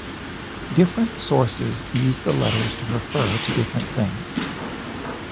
Different sources use the letters to refer to different things.